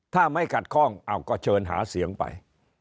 ถ้าไม่ขัดข้องเอาก็เชิญหาเสียงไป